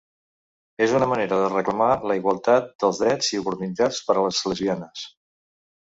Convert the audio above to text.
És una manera de reclamar la igualtat de drets i oportunitats per a les lesbianes.